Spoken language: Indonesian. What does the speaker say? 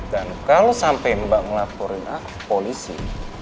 dan kalo sampai mbak ngelaporin aku ke polisi